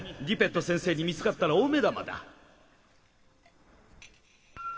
ディペット先生に見つかったら大目玉だ